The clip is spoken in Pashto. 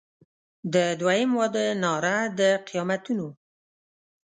د دوهم واده ناره د قیامتونو